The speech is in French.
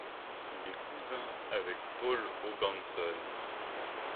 Il est cousin avec Paul Hoganson.